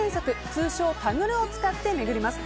通称タグるを使って巡ります。